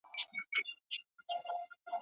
موږ په خپل پرهار کي ورک یو بې درمانه زندګي ده